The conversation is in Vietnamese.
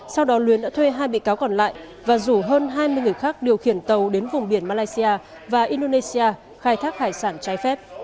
sau đó luyến đã thuê hai bị cáo còn lại và rủ hơn hai mươi người khác điều khiển tàu đến vùng biển malaysia và indonesia khai thác hải sản trái phép